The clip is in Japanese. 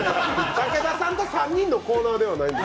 武田さんと３人のコーナーではないので。